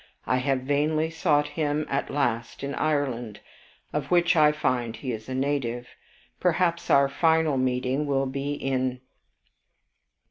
I have vainly sought him at last in Ireland, of which I find he is a native. Perhaps our final meeting will be in.